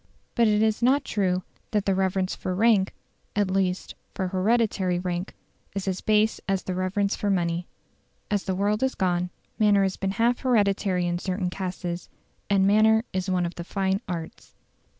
But it is not true that the reverence for rank at least, for hereditary rank is as base as the reverence for money. As the world has gone, manner has been half hereditary in certain castes, and manner is one of the fine arts.